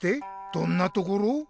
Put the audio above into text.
「どんな」ところ？